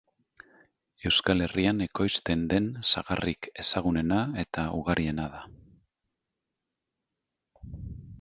Euskal Herrian ekoizten den sagarrik ezagunena eta ugariena da.